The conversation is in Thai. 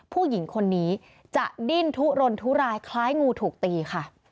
ผู้หญิงคนนี้จะดิ้นทุรนทุรายคล้ายงูถูกตีค่ะ